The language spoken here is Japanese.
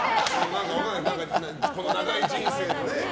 この長い人生でね。